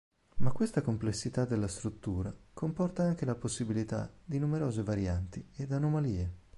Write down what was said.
Ma questa complessità della struttura comporta anche la possibilità di numerose varianti ed anomalie.